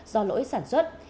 do lỗi sản xuất